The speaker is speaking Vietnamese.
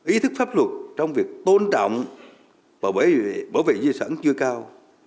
ý thức pháp luật trong việc tôn trọng và bảo vệ di sản chưa cao